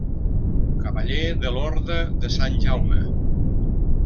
Cavaller de l'Orde de Sant Jaume.